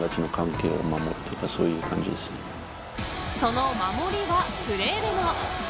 その守りはプレーでも。